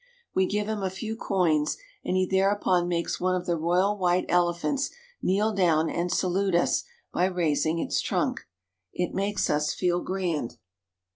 We give him a few coins, and he thereupon makes one of the royal white elephants kneel down and salute us by raising its trunk. It makes us feel grand.